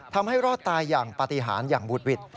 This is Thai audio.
ทำให้รอดตายอย่างปฏิหารอย่างบุดหวิด